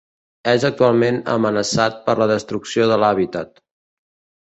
És actualment amenaçat per la destrucció de l'hàbitat.